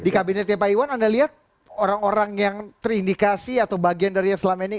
di kabinetnya pak iwan anda lihat orang orang yang terindikasi atau bagian dari yang selama ini